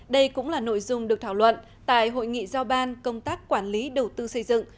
đây cũng là nội dung được thảo luận tại hội nghị giao ban công tác quản lý đầu tư xây dựng